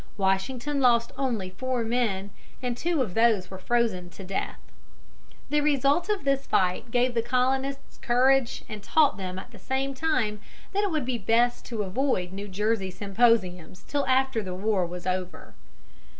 Washington lost only four men, and two of those were frozen to death. The result of this fight gave the Colonists courage and taught them at the same time that it would be best to avoid New Jersey symposiums till after the war was over.